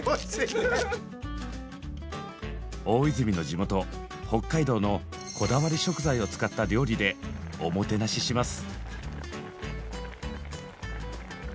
大泉の地元北海道のこだわり食材を使った料理でおもてなしします。